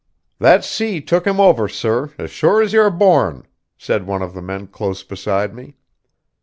"That sea took him over, sir, as sure as you're born," said one of the men close beside me.